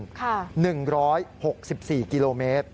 ค่ะค่ะ๑๖๔กิโลเมตร